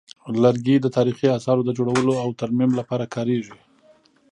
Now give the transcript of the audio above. لرګي د تاریخي اثارو د جوړولو او ترمیم لپاره کارېږي.